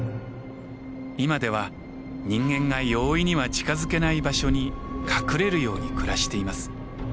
今では人間が容易には近づけない場所に隠れるように暮らしています。